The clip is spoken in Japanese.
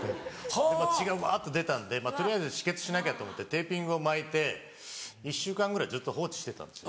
血がうわっと出たんで取りあえず止血しなきゃと思ってテーピングを巻いて１週間ぐらいずっと放置してたんです。